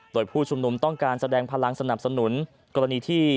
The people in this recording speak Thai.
โดยผู้ชุมนุมต้องการแสดงพลังสนับสนุนกรณีที่